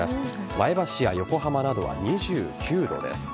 前橋や横浜などは２９度です。